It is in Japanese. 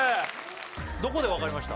どこで分かりました？